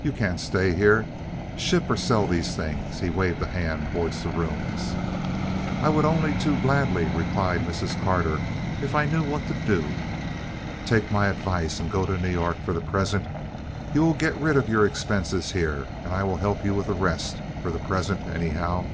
You can't stay here. Ship or sell these things." He waved a hand toward the rooms. "I would only too gladly," replied Mrs. Carter, "if I knew what to do." "Take my advice and go to New York for the present. You will get rid of your expenses here, and I will help you with the rest—for the present, anyhow.